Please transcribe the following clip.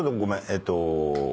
えーっと。